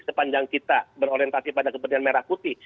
sepanjang kita berorientasi pada kepentingan merah putih